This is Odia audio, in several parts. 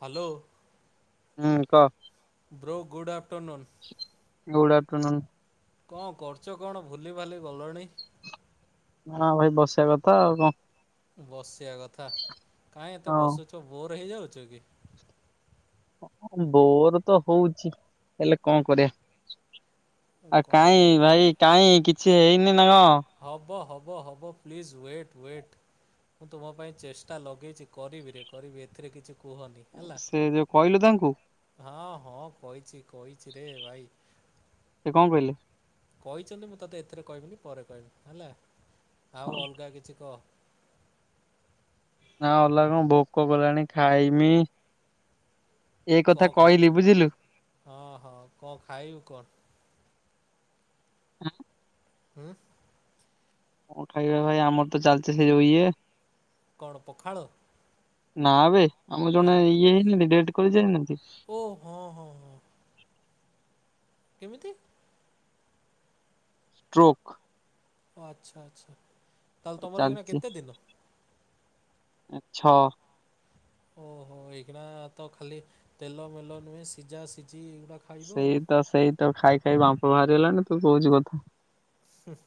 ହ୍ୟାଲୋ। ହୁଁ କହ। Bro good off ଟରନୁନ୍। Good afternoon. କଣ କରୁଛ କଣ ଭୁଲି ଭାଲି ଗଲଣି। ନା ଭାଇ ବସିବା କଥା ଆଉ କଣ। ବସିବା କଥା କାଇଁ ଏତେ କଣ ବସୁଛ ବୋର ହେଇଯାଉ ବୁଝୁଚ କି? ବୋର ତ ହଉଛି ହେଲେ କଣ କରିଆ। ଆଉ କଣ କାଇଁ କରିବି ଭାଇ କାଇଁ କି ସିଏ ଏଇନେ ହବ ହବ। ହବ ହେବ ପ୍ଲିଜ୍ ୱେଟ୍ ୱେଟ୍ ମୁଁ ତୁମ ପାଇଁ ଚେଷ୍ଟା ଲଗେଇଛି କରିବିରେ କରିବି ଏଥିରେ କିଛି କୁହନି ହେଲା ସେ ଯୋଉ କହିଲୁ ତାଙ୍କୁ ହଁ ହଁ କହିଛି କହି ରେ ଭାଇ। ସେ କଣ କହିଲେ? କହିଛନ୍ତି ମୁଁ ତୋତେ ଏଥିରେ କହିବିନି ପରେ କହିବି ହେଲା। ଆଉ ଅଲଗା କିଛି କହ। ନା, ଅଲଗା କଣ ଭୋକ କଲାଣି ଖାଇମି। ଏ କଥା କଣ କହିଲି ଖାଇବୁ, ବୁଝିଲୁ। ହଁ, ହଁ, କଣ ଖାଇଲୁ, କଣ? [unintelligible] ହୁଁ କଣ ଖାଇବା ଭାଇ ଆମର ତ ଚାଲଚି ସେ ଯୋଉ ଇଏ କଣ ପଖାଳ? ନାଁ ବେ। ଆମର ଜଣେ ଆଉ ଇଏ ହେଇଥିଲେ ନାଇଁ ଡେଟ କରି ଯାଇନୁ। ଓ, ହଁ, ହଁ, ହଁ। କେମିତି? ଷ୍ଟ୍ରୋକ ଓ ଆଚ୍ଛା, ଆଛା। ତାହେଲେ, ତମର ଏଇନା କେତେ ଦିନ? ଆଛ ଓହୋ, ଏଗଡା ଆ, ତ ଖାଲି ତେଲ, ମେଲ ନୁହେଁ ସିଝା, ସିଝି ଏ ସେଇ ତ, ସେଇ ତ ଖାଇ [unintelligible] ବାମ୍ପ ବାହାରିଗଲାଣି, ତୁ କହୁଛୁ କଥା। ସିଶ୍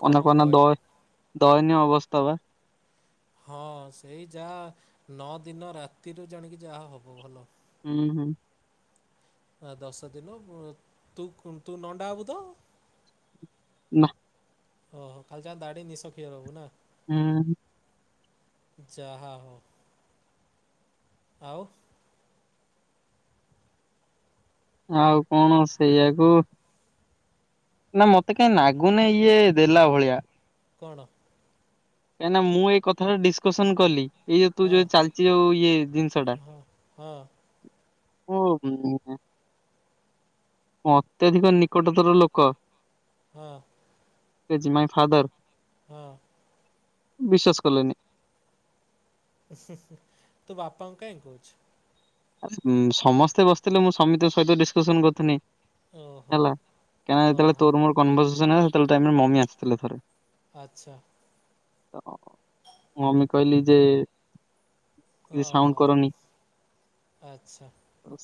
[unintelligible] ଦ ଦୟନୀୟ ଅବସ୍ଥା ପା। ହଁ, ସେଇ ଯାହା ନଅ ଦିନ ରାତିରୁ ଜାଣିକି ଯାହା ହବ, ଭଲ। ହୁଁ ହୁଁ। ଦଶ ଦିନ ତୁ ତୁ ନଣ୍ଡା ହବୁ ତ? ନା। ଓହୋ ଖାଲି ଯା ଦାଢି ନିସ ଖିଅର ହବୁ ନା? ହଁ। ଯାହା ହଉ। ଆଉ ଆଉ କଣ ସେଇଆକୁ ନା ମତେ କାହିଁ ନାଗୁନି ଇଏ ଦେଲା ଭଳିଆ କଣ? କାହିଁକିନା, ମୁଁ ଏଇ କଥାଟା ଡିସକସନ କଲି। ଏଇ [unintelligible] ତୁ ହଁ ଯୋଉ, ଚାଲଚି ଯୋଉ ଇଏ ଜିନିଷ ଟା ହଁ ହଁ [unintelligible] ଅତ୍ୟଧିକ ନିକଟତର ଲୋକ। ହଁ। His my father. ହଁ। ବିଶ୍ୱାସ କଲେନି? ହୁଁ ହୁଁ ହୁଁ ତୁ ବାପାଙ୍କୁ କାଇଁ କହୁଛୁ? ଆରେ ହୁଁ ସମସ୍ତ ବସିଥିଲେ ମୁଁ ସମୀ ସହିତ ଡିସ ଶୋଷଣ କରୁଥିଲି। ଓହୋ ହେଲା କ ଯେହେଳେ ଓହୋ ତୋ ମୋର କନ ସେହଲୋଇମର ମମି ଆସି ଧଥରେ ଆଚ୍ଛା ତ ମୁଁମେ କହିଲି ଯେ କିଛି ସାଉଣ୍ଡ କରନି ଆଛା।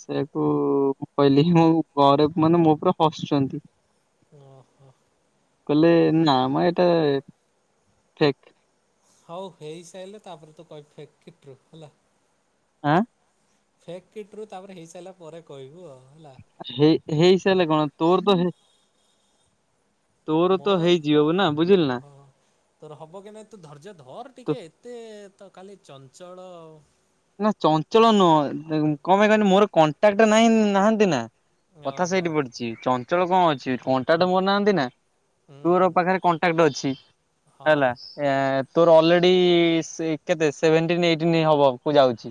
ସେଇୟାକୁଁ କହିଲି ମୋ ଘରେ ମାନେ ମୋ ପୁରା ହସୁଛନ୍ତି। ଓ ହୋ। କହିଲେ ନା ଆମର ଏଇଟା ଠ ହଉ ହେଇସାରିଲେ ତାପରେ ତୁ କହ ଫକଟୁ ହେଲା। ଆଁ ଫେକ୍ କିଟ ରୁ ତାପରେ ହେଇସାରିଲା ପରେ କହିବୁ ଆଉ। ହେଲା ହେଇ ହେଇସଲେ କଣ ତୋର ତ ହେଇ ମୋର ହଁ ତୋର ହବ କି ନାଇଁ ତୁ ଧୈର୍ଯ୍ୟ ଧର ତୁ ଟିକେ ଏତେ ତ ଖାଲି ଚଞ୍ଚଳ ନା ଚଞ୍ଚଳ ନୁହଁ କଣ ପାଇଁ କହିଲି ମୋର କଣ୍ଟାକ୍ଟ ନାହିଁ ନାହାନ୍ତି ନା କଥା ଓହୋ ସେଇଠି ପଢଡିିଛି ଚ ଳ କଣ ଅଛି କଣ୍ଟା ଟେ ମୋର ନାହାନ୍ତି ନା। ହୁଁ ତୋର ହୁଁ ପାଖରେ କଣ୍ଟାକ୍ଟ ଅଛି ହଁ ହେଲା। ଏ ତୋର ଅଲରେଡି କେତେ ସେଭେଣ୍ଟିନ ଏଇଟିନ୍ ହବ ଆଉ। ପୂଜା ହଛି।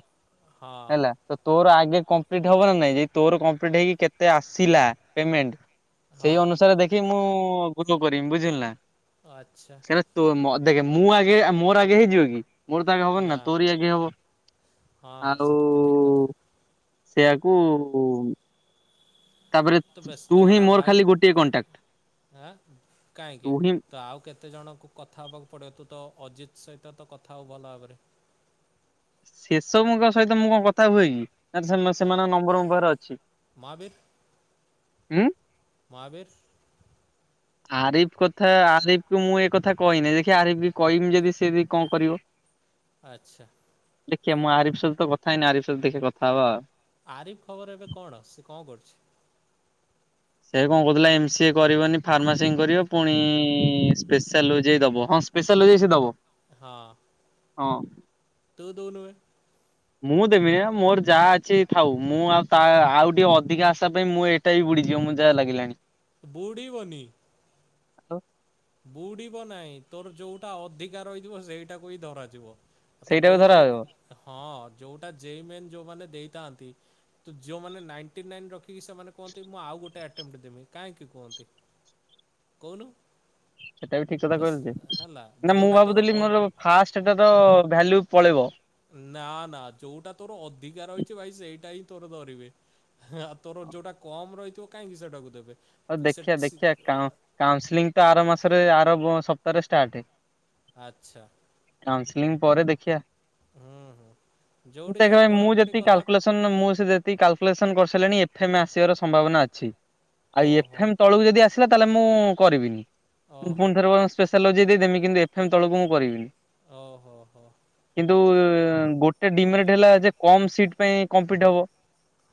ହଁ ହେଲା ତ ତୋର ଆଗ। କପ୍ଟ ହବ ନା ନାଇଁ ତୋର କପ୍ଟ ହେଇକି କେତେ ଆସିଲାଣ୍। ସେଇ ହଁ ଅନୁସାରେ ଦେଖି ମୁଁ ହଁ ଭୁଲ କରିିବମ ବୁଝିଲ ନା। ଆଚ୍ଛା ସେଟ ତୁ। ଦେଖେ ମୁଁ ଆଗେ ମୋର ଆଗେ ହେଇଯିବ କି? ମୋର ତ ଆଗେ ହବନ ନା ତୋରି ଆଗେ ହବ। ହଁ ହଁ ଆଉ ସେଟା ତ ଠିକ କଥା। ସେୟାକୁ। ତାପରେ ତ ତୁ ବ୍ୟସ୍ତ ହ ହିଁ ନା ମୋର ଭାଇଁ ଖାଲି ଗୋଟିଏ କଣ୍ଟାକ୍ଟ କାହିଁକି ତୁ ହିଁ ତ ଆଉ କେତେ ଜଣଙ୍କୁ କଥା ହବାକୁ ପଡିବ ତୁ ତ। ଅଜିତ୍ ସହିତ ତ କଥା ହେଉ ଭଲ ଭାବରେ। ସେସବଙ୍କ ସହିତ ମୁଁ କଣ କଥା ହୁଏ କି? ସେମାନଙ୍କ ନମ୍ବର ପାରେ ଅଛି। ମହାବୀର ହୁଁ ମହାବୀର। ଆରିଫ କଥା ଆରିଫକୁ ମୁଁ ଏ କଥା କହିନି ଦେଖି ଆରିଫ କି କହମି ଯଦି ସେବି କଣ କରିବ। ଆଛା। ଦେଖ ମୁଁ ଆରିଫ ସତ ତ କଥାଇାଇଁ ଆରିଫ ସ ଦେଖେ କଥା ହବା ଆଉ। ଆରିଫ ଖବର ଏବେ କଣ ସେ କଣ କରୁଛି। ସେ କଣ କହୁଥିଲା ଏମ ସଏ କରିବନି ଫାର୍ମାସି କରିବ ପୁଣି ସ୍ପେଶାଲାଇ ଦବ ହଁ ସ୍ପେଶାଲାଇ ସି ଦବ। ହଁ। ହଁ। ତ ଦନୁ। ମୁଁ ଦେମିନି ମୋର ଯାହା ଅଛି। ଥାଉ ମୁଁ ଆଉ ତା ଆଉ ଟିକେ ଅଧିକ ଆଶା ପାଇଁ ମୁଁ ଏଇଟା ବି ବୁଡିଯିବ ମୁଁ ଯାହା ଲାଗିଲାଣି। ବୁଡ଼ିିବନି। ହ୍ୟାଲୋ ବୁଡିବ ନାହିଁ ତୋର ଯୋଉଟା ଅଧିକା ରହିଥିବ ସେଇଟାକୁ ହିଁ ଧରାଯିବ ତ ସେଇଟା ବି ଧରା ଯୋଉମାନେ ହବ ହଁ ଯୋଉଟା ଜମେ ଯୋଉମାନେ ଦେଇଥାନ୍ତି। ଯୋଉମାନେ ରିକି ସେମାନେ କୁହନ୍ତି। ମୁଁ ଆଉ ଗୋଟେ ଦେମି କାହିଁକି କୁହନ୍ତି କହୁନୁ। ସେଟା ବି ଠିକ ତ କଥା କଇଲ ଯେ ସ- ହେଲା ନା ମୁଁ ଯୋଉଟା ତୋର ଭାବୁଥିଲି ଅ ମୋର ଫାଷ୍ଟଟା ତ ଭାଲ୍ୟୁ। ପଳେଇବ। ନା ନା ଯୋଉଟା ତୋର ଅଧିକାର ରହିଛି ଭାଇ ସେଇଟା ହିଁ। ତୋର ଧଡରିବେ ଆଉ ତୋର ଯୋଉଟା କମ ରହିଥିବ କାହିଁକି ସେଟାକୁ ଦେବେ। ହଉ ସେ ଦେଖଆ ସି ଦେଖିବା କାଉନସଲିଂ ତ ଆର ମାସ ଆର ସପ୍ତାହରେ ଷ୍ଟାର୍ଟ। ଆଚ୍ଛା। ମୁଁ ପରେ ଦେଖିବା। ହୁଁ ହୁଁ। ଯୋଉଠି ଖ ଯାହା ମୁଁ ପଢ଼ାପଢ଼ି ଯେ କଥା କାଲକୁଲେସନ ମୁଁ ସେ କଲକୁଲେସନ କର ହେଲେଣି ଏଫ୍ଏମ୍ ଆସିବାର ସମ୍ଭାବନା ଅଛି। ଆଉ ଏଫ୍ ଓହୋ ଏମ୍ ତଳକୁ ଯଦି ଆସିଲ ତାଲେ ମୁଁ କରିବିନି। ଓହୋ ପୁଣି ଥରେ ବ ଲଜେଇ ଦେଇ ଦେମି କିନ୍ତୁ ଏଫ ଏମ୍ ତଳକୁ ମୁଁ କରିବିନି। ଓ ହୋ ହୋ। କିନ୍ତୁ ଗୋଟେ ଡିମେରିଟ ହେଲା ଯେ କମ୍ ସିଟ ପାଇଁ କମ୍ ପିଟ ହବ।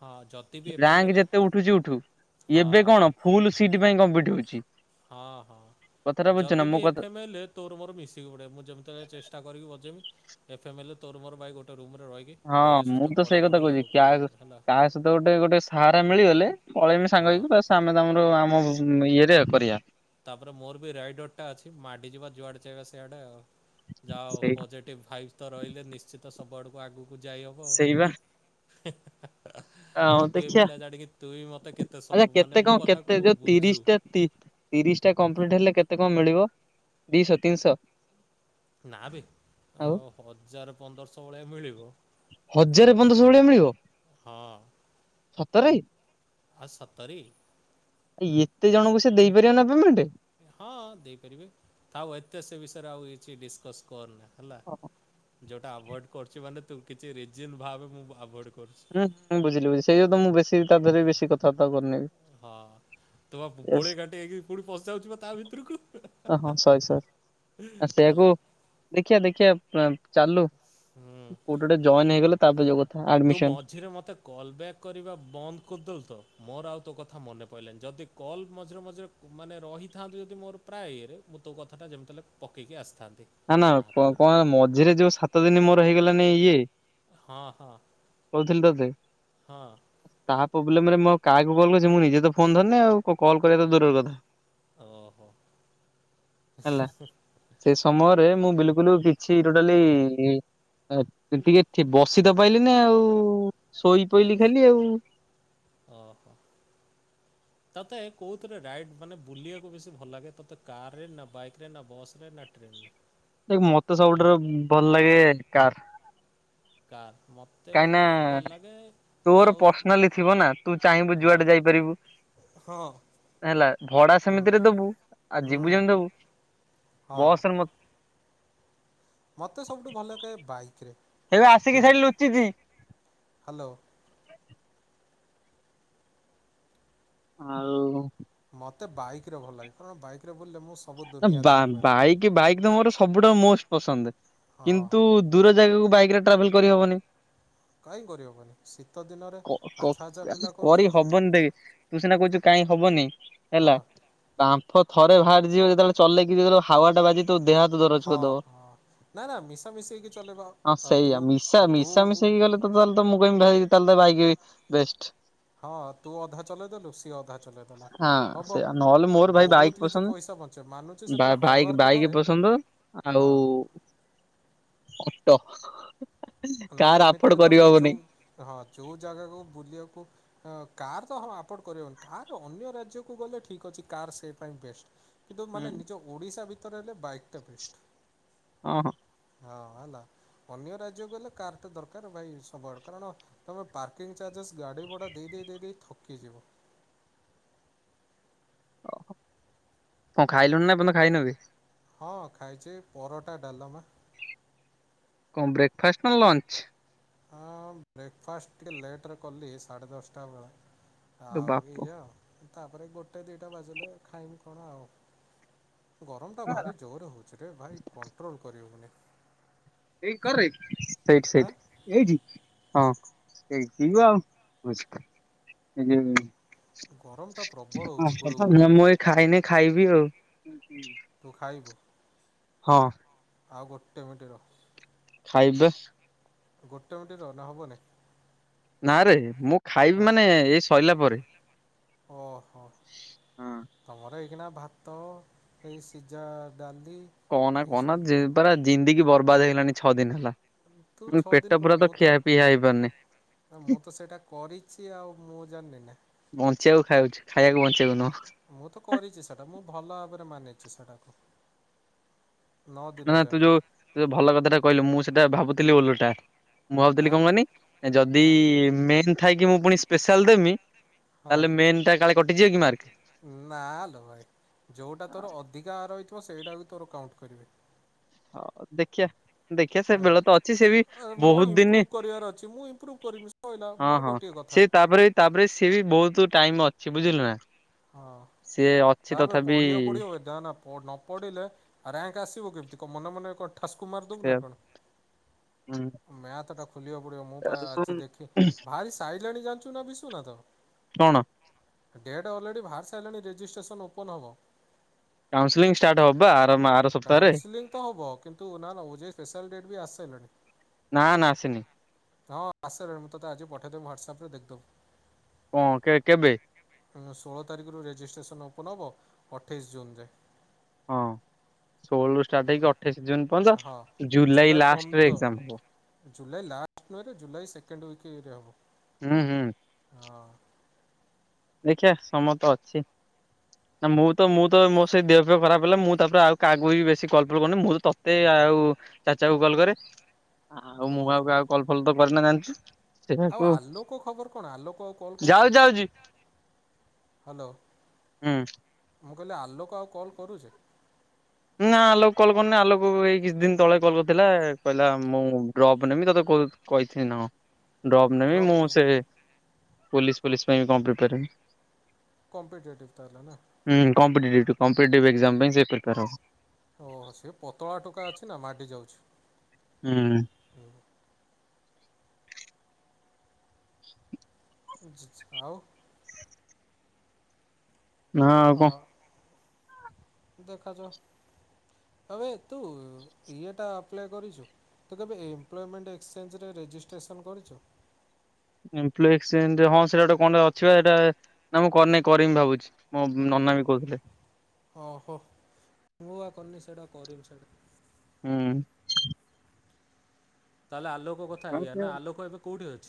ହଁ ଯଦି ବି ଏଫ୍ ଏମ୍ ରାଙ୍କ ଏଲ୍ ଯେତେ ଉଠୁଛି ଉଠୁ। ହଁ ଏବେ କଣ ଫୁଲ ସିଟ୍ ପାଇଁ କମ୍ପିଟ୍ ହଉଛି। ହଁ ହଁ କଥାଟା ବୁଝୁଛ ନା ଯଦି ମୋ ବି କଥା ଏଫେମ୍ ହେଲେ ତୋର ମୋର ମିଶିକି ପଡିବ ମୁଁ ଯେମତି ହେଲେ ଚେଷ୍ଟା କରିକି ବଜେଇମି। ଏଫ ଏମ୍ଲ ତୋରମର ଭାଇ ଗୋଟେ ରୁମ୍ ରେ ରହିକି ହଁ ଧୀରେ ମୁଁ ସୁସ୍ଥେ ତ ସେଇ କଥା ପଢ଼ାପଢ଼ି କହୁଚି ଆଗକୁ କା କରିବୁ ହେଲା। କାହା ସହିତ ଗୋଟେ ଗୋଟେ ସାହାରା ମିଳିଗଲେ ପଳେଇମି ସାଙ୍ଗ ହଁ। ହେଇକି ବାସ୍ ଆମେ ତମର ଆମ ଉଁ ଇଏରେ କରିଆ। ତାପରେ ମୋର ବି ରାଇଡରଟା ଅଛି ମାଡି ଯିବା ଯୁଆଡେ ଚାହିଁବା ସିଆଡେ ଆଉ। ଯାହା ହଉ ସେଇ ପଜେଟିଭ ଭାଇଭସ ତ ରହିଲେ ନିଶ୍ଚିତ ସ ସବୁ ଆଡ଼ୁକୁ ଆଗୁ ଉ ଯାଇ ହବ। ସେଇବା ଆଉ ଗୋଟିଏ ଦେଖିବା ପିଲା ଜାଣିକି ତୁଇ ମତେ କେତେ ଆଚ୍ଛା ସବୁ କେତେ ମାନେ କଣ ମୋ କଥାକୁ ବୁଝୁ। ତିରିଶଟା କମ୍ପ୍ଲିଟ୍ ହେଲେ କେ ତି କଁ ମିଳିବ ଦିଶ ତିନିଶ? ନାଁ ବେ ଅ ହଜାରେ ପନ୍ଦରଶ ଭଳିଆ ମିଳିବ ହଜାରେ ପନ୍ଦରଶହ ଭଳିଆ ମିଳିବ ହ ହଁ ସତରେ ଆ ସତର କି? ଏ ଏତେ ଜଣଙ୍କୁ ସେ ଦେଇପାରିବ ନାଁ ପେମେଣ୍ଟ? ହଁ ଦେଇପାରିବେ ଥାଉ ଏତେ ସେ ବିଷୟରେ ଆଉ କିଛି ଡିସକସ୍ କରନା। ହେଲା। ଯୋଉଟା ଆଭୁଏଡ୍ କରୁଚି ମାନେ ତୁ କିଛି ରିଜିନ ଭାବେ ମୁଁ ଆଭୁଏଡ୍ ହୁଁ ହୁଁ ବୁଝିଲି ବୁଝି ସେଇ ଯୋଉ ତ ମୁଁ ବେଶୀ ତା ଧେରେ ବେଶୀ କଥାବାର୍ତ୍ତା କରୁନିଇ ବି। ହଁ ତମ ଗୋଳେଇ ଘାଣ୍ଟି ହେଇକିରି କୋଉଠି ପଶିଯାଉଚୁ ବେ ତା ଭିତୁରୁକୁ ହେଁ ହାଁ ହଁ ହାଁ। ସରି ସରି ଆ ସେଇଆକୁ ଆଲା ଦେଖିଆ ଦେଖିିଆ ପା ଚାଲୁ। ହୁଁ କୋଉଠି ଗୋଟେ ଜଏନ୍ ହେଇଗଲେ ତାପରେ ଯୋଉ କଥା ଆଡମିସନ୍। ଝିରେ ମୋତେ କଲ୍ ବ୍ୟାକ୍ କରିବା ବନ୍ଦ କରିଦେଲୁ ତ ମୋର ଆଉ ତୋ କଥା ମନେ ପଇଲାନି। ଯଦି କଲ୍ ମଝିରେ ମଝିରେ ମାନେ ରହିଥାଆନ୍ତୁ ଯଦି ମୋର ପ୍ରାୟେ ଇଏରେ ମୁଁ ତୋ କଥାଟା ଯେମତି ହେଲେ ପକେଇକି ଆସିଥାନ୍ ନାଁ ନାଁ କ କଁ ମଝିରେ ଯୋଉ ସାତ ଦିନି ମୋ ତୋର ହେଇଗଲାନା ଇଏ ହଁ ହଁ [inaudible] କୋହୁଥିଲି ତତେ ହଁ [inaudible] ତା ପୋବ୍ଲେମରେ ମୁଁ ଆଉ କାହାକୁ କଲ୍‌ କରିଚି। ମୁଁ ନିଜେ ତ ଫୋନ ଧରିନି ଆଉ କଲକରିବା ତ ଦୂରର କଥା। ଓହୋ। ରୁହେ ମୁଁ ବିଲକୁଲୁ କିଛି ଟୋଟାଲି ଇ ଅ ଟିକେ ଖେ ବସି ତ ପାଇଲିନି ଆଉ। ଶୋଇ ପଇଲିି ଆଚ୍ଛା ଖାଲି ଆଉ। [inaudible] ଓହୋ। ତୋତେ କୋଉଥିରେ ରାଇଡ୍ ମାନେ ବୁଲିବାକୁ ବେଶୀ ଭଲ ଲାଗେ ତତେ କାରରେ ନାଁ ବାଇକରେ ନାଁ ବସେ ନାଁ ଟ୍ରେନରେ? ଦେଖ ମତେ ସବୁଠାରୁ ଉଁ ଭଲ ଲାଗେ କାର। କାର। କାହିଁକ ନାଁ ତୋର ଆଉ ପର୍ସନାଲି ଥିବ ନାଁ ତୁ ଚାହିଁବୁ ହଁ ଯୁଆଡ଼େ ଯାଇପାରିବୁ। ହୁଁ ହେଲା ଭଡ଼ା ସେମିତିରେ ଦବୁ ଆଉ ହୁଁ ଯିବୁ ଯେମିତି ଦବୁ ବସରେ ମ ମତେ ସବୁଠୁ ଭଲ ଲାଗେ ବାଇକ୍। ହେଇବା ଆସିକି ସେଇଠି ଲୁଚିଛି। ହ୍ୟାଲୋ [inaudible] ଆଉ ମତେ ବାଇକ୍ ରେ ଭଲ ଲାଗେ କାରଣ ବାଇକରେ ବୁଲିଲେ ମୁଁ ସବୁ ନା ଦୁନିଆ ବା ଦେଖିପାରେ ବାଇକ୍ ବାଇକ୍ ତ ମୋର ସବୁଠାରୁ ମୋଷ୍ଟ୍ ପସନ୍ଦ। ହଁ କିନ୍ତୁ ଦୂର ଜାଗାକୁ ବାଇକ୍ ରେ ଟ୍ରାଭେଲ୍ କରିହବନି। କାହିଁ କରିହେବନି ଶୀତ ଦିନରେ [inaudible] କ କ ଆଚ୍ଛା ଆଚ୍ଛା ଆରେ ପିଲା କରି କରୁଛନ୍ତି ହବନି ଦେଖ୍ ତୁ ସିନା କହୁଛୁ କାହିଁ ହବନି ହଁ ହେଲା ବାମ୍ଫ ଥରେ ବାହାରିଯିବ ଯେତେବେଳେ ଚଲେଇକି ଯିବୁ ହାୱା ଟା ବାଜିକି ତୋ ଦେହ ହାତ ଦରଜ ହଁ କରିଦବ [inaudible] ହଁ ନା ନା ମିଶାମିଶି ହେଇକି ଚଲେଇବା ହଁ ତୁ ସେଇଆ ମିଶା ତୁ ମିଶା ମିଶା ହେଇ ହଁ ଗଲେ ତ ତାହେଲେ ତ ମୁଁ କହିବି ଭାଈ ତାହେଲେ ବାଇକି ବି ବେଷ୍ଟ୍। ହଁ ତୁ ଅଧା ଚଲେଇଦେଲୁ ସିଏ ଅଧା ଚଲେଇଦେଲା ହଁ ହବ ସେ ନହେଲେ ମୋର ଭାଇ ବାଇକ୍ ବହୁତ୍ କିଛି ପସନ୍ଦ ପଇସା ବଞ୍ଚେଇ ବା ଭାଇକ୍ ବାଇକ୍ ପସନ୍ଦ ଆଉ ହଁ ଓହୋ। ନ ନେ ଏମିତିରେ ତମେ ଯୋଉ ହଁ ଯୋଉ ଜାଗାକୁ ବୁଲିବାକୁ ଆଁ କାର୍ ତ ହଁ ଆପୋର୍ଡ କରିହବନି କାର୍ ଅନ୍ୟ ରାଜ୍ୟକୁ ଗଲେ ଠିକ୍ ଅଛି କାର୍ ସେଇ ପାଇଁ ବେଷ୍ଟ୍। କିନ୍ତୁ ହୁଁ ମାନେ ନିଜ ଓଡିଶା ଭି ତରେ ହେଲେ ବାଇକ୍ ଟା ବେଷ୍ଟ୍। ହଁ ହଁ। ହଁ ହେଲା ଅନ୍ୟ ରାଜ୍ୟକୁ ଗଲେ କାର୍ ଟା ଦରକାର୍ ଭାଇ ସବୁଆଡ କାରଣ ତମେ ପାର୍କିଂ ଚାର୍ଜେସ୍ ଗାଡି ଭଡା ଦେଇ ଦେଇ ଦେଇ ଦେଇ ଥକି ଯିବ। ଓ କଣ ଖାଇଲୁଣି ନା ଏପର୍ଯ୍ୟନ୍ତ ଖାଇନୁ ବି? ହଁ ଖାଇଛି ପରଟା ଡାଲମା। କଣ ବ୍ରେକ୍ଫାଷ୍ଟ୍ ନା ଲଞ୍ଚ୍? ହଁ ବ୍ରେକ୍ଫାଷ୍ଟ୍ ଟିକେ ଲେଟ୍ ରେ କଲି ସାଢ଼େ ଦଶଟା ବେଳେ। ଲୋ ଆଉ ବାପ ଏୟା ଆଉ। ତାପରେ ଗୋଟେ ଦିଟା ବାଜିଲେ ଖାଇମି କଣ ଆଉ। ଗରମ୍ ଟା ଭାରି ଜୋରେ ହଉଛି ରେ ଭାଈ କଣ୍ଟ୍ରୋଲ କରହବନି। ଏଇ କରରେ ସେଇଠି ହାଁ ସେଇଠି ଏଇଠି ହଁ [inaudible] ଆଉ। ଗରମଟା ପ୍ରବଳ ହେଉଛି [inaudible] ଗୁଳୁଗୁଳି ମୁଁ ମୁଁ ଏଇ ଖାଇନି ଖାଇବି ଆଉ। ତୁ ଖାଇବୁ? ହଁ। ଆଉ ଗୋଟେ ମିଣ୍ଟି ର। ଖାଇବି ବା। ଗୋଟେ ମିଣ୍ଟି ରହ ନା ହବ ନେଇ। ନାରେ ମୁଁ ଖାଇବି ମାନେ ଏଇ ସରିଲା ପରେ ହଁ। ଏହିକିନା ଭାତ ସେଇ ସିଜା କହନା କହନା ପରା ଜିନ୍ଦେଗି ବର ବାଦ ହେଇଲାନଣି ଛଅ ଦିନ ହେଲା। ତୁ ମୁଁ ଛଅ ପେଟ ଦିନ ପୁରା କଣ। ତ ମୁଁ ଖିଆ ପିଆ ହେଇପାରୁନି ତ ମୁଁ ତ ସେଇଟା କରିଛି ଆଉ। ମୁଁ ଜାଣିନି ନା ବଞ୍ଚିବାକୁ ଖାଉଛି ଖାଇବାକୁ ବଞ୍ଚିବାକୁ ନୁହଁ। ମୁଁ ତ କରିଛି ସେଟା। ମୁଁ ଭଲ ଭାବରେ ମାନେ। ସେଟା କୁ। ନା ତୁ ଯଉ ତୁ ଯଉ ଭଲ କଥା ଟେ କହିଲୁ ମୁଁ ସେଟା ଭାବୁଥିଲି ଓଲଟା। ମୁଁ ଭାବୁଥିଲି ହାଁ କଣ କହନି ଯଦି ହାଁ ମେନ ଥା କି ମୁଁ ପୁଣି ସ୍ପେଶାଲ ଦେମି। ହଁ ତାହେଲେ ମେନ୍ ଟା କାଳେ କଟିଯିବ କି ମାର୍କ। ନାଲୋ ଭାଇ ଯୋଉଟା ତୋର ଅଧିକା ରହିଥିବ। ସେଇଟା କୁ ତୋର କାଉଣ୍ଟ୍ କରିବେ। ହ ଦେଖିଆ। ଦେଖିବା ସେ ହେଲା ବେଳ ତ ଅଛି ସେ ବି ମୋର ବହୁତ ଦିନି। ଇମ୍ପ୍ରୁଭ୍ କରିବାର ଅଛି ମୁଁ ଇମ୍ପ୍ରୁଭ୍ କରିବି ସଇଲା ହଁ ମୋର ହଁ ଗୋଟିଏ କଥା। ସେ ତାପରେ ତାପରେ ସିଏବି ବହୁତ ଟାଇମ ଅ ବୁଝିଲୁନା। ହଁ ତା ପରେ ପଢିବା କୁ ପଡିବ, ନ ପଢିଲେ ରାଙ୍କ ଆସିବ କେମିତି? [unintelligible] ଠାସକୁ ମାରି ଦବୁ ସେ ନା କଣ ମ୍ୟାଥ୍ ଟାକୁ। ଖୋଲିବାକୁ ପଡିବ ମୁଁ ଆଜି ଦେଖି ଭାରି ସାଇ [unintelligible] କଣ? [unintelligible] ଅରଲେଡି ବାହାରି ସାରିଲାଣି ରେଜିଷ୍ଟ୍ରେସନ୍ ଓପନ୍ ହବ। କାଉନ୍ସିଲିଂ ଷ୍ଟାର୍ଟ ହ କାଉଁସିଲିଙ୍ଗ୍ ତ ହବ କିନ୍ତୁ ନା ନା ଓଜେଇ ସ୍ପେସିଆଲ୍ ଡେଟ ବି ଆସି ସାରିଲାଣି। ନା ନା ଆସିନି ହଁ ଆସ୍ ସାଇଲାଣି ମୁଁ ତତେ ଆଜି ପଠେଇ ଦେବି ହ୍ୱାଟସଆପ ରେ ଦେଖି ଦବୁ। ହଁ କେ କେବେ। ଷୋଳ ତାରିଖରୁ ରେଜିଷ୍ଟ୍ରେସନ ଓପନ ହବ ଅଠେଇଶ ଜୁନ ଯାଏ। ହଁ। ଷୋହଳ ରୁ ଷ୍ଟାର୍ଟ ହେଇକି ଅଠେଇଶି ଜୁନ ହଁ ପର୍ଯ୍ୟନ୍ତ, ଜୁଲାଇ ଲାଷ୍ଟରେ ଏକ୍ଜାମ ହବ। କିରେ ହବ। ହୁଁ ହୁଁ। ଦେଖିଆ ସମୟ ତ ଅଛି, ନା ମୁଁ ତ ମୁଁ ତ ମୋ ସେଇ ଦେହ ଫେହ ଖରାପ ହେଲେ ମୁଁ ତାପରେ ଆଉ କାହାକୁ ବି ବେଶୀ କଲ୍ ଫଲ୍‌ କରୁନି, ମୁଁ ତ ତତେ ଆଉ ଚାଚା କୁ କଲ୍ କରେ। ଆଉ ମୁଁ ଆଉ ଓହୋ କାହାକୁ କଲ୍ ଫଲ ତ କରେନା ଜାଣିଥି। [unintelligible] ଆଉ ଆଲୋକ ଖବର କଣ ଆଲୋକ ଆଉ କଲ ଯାଉ କରୁଚି। ଯାଉଛି। ହୁଁ। ମୁଁ କହିଲି ଆଲୋକ ଆଉ କଲ୍ କରୁଚି? ନା ଆଲୋକ କଲ୍ କରିନି ଆଲୋକ ଏଇ କିଛି ଦିନ ତଳେ କଲ୍ କରିଥିଲା କହିଲା ମୁଁ ଡ୍ରପ୍ ନେବି ତୋତେ କହିଥିଲି ନାଁ କଣ? ଡପ ନେବି ଡ୍ରପ୍ ମୁଁ ସେ ପୋଲିସ ପୋଲିସ ପାଇଁ ବି କଣ ପ୍ରିପାର ହେମି କମ୍ପିଟେଟିଭ ତାର ନା। କମ୍ପଟେଟି କମ୍ପଟେଟି୍ ଏକ୍ଜାମ ପାଇଁ ସେ ପ୍ରିପାର ହୋଉଚି ଓହୋ ସେ ପତଳା ଟୋକା ଅଛି ନା ମାଡି ଯାଉଚି। ହୁଁ। ଆଉ ନା ଆଉ କଣ? ଦେଖାଯାଉ ଆବେ ତୁ ଇଏଟା ଆପ୍ଲା କରିଚୁ, ତୁ କେବେ ଏମ୍ପ୍ଲମେଣ୍ଟ ଏକ୍ସଚେ୍ଜରେ ରେଜିଷ୍ଟ୍ରେସନ କରିଚୁ। ହଁ ସେଟା ଗୋଟେ କଣେ ଅଛି ଏଇଟା ନା ମୁଁ କରିନ କରିମି ଭାବୁଚି। ମୋ ନନା ବି ଓହୋ କହୁଥିଲେ। କନୀ ସାଇଡ଼ ଆ କରିମ୍ ସାଇଡ଼୍ ହୁଁ ତାହେଲେ ଆଲୋ କ କଥା ଏଇଆ ହୁଁ। ନା ଆଲୋକ ଏବେ କୋଉଠି ଅ